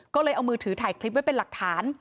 ก็เลยเอามือถือถ่ายคลิปไว้เป็นหลักฐาน